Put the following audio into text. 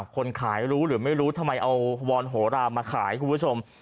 คนขายรู้หรือไม่รู้ทำไมเอาวอนโหรามาขายคุณผู้ชม